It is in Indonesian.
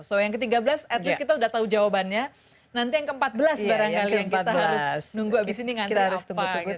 so yang ke tiga belas at least kita udah tahu jawabannya nanti yang ke empat belas barangkali yang kita harus nunggu abis ini ngantri apa gitu